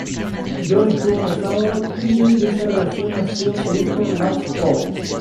John estuvo casado y de esa relación nació su hijo Max Howard.